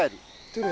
どれ？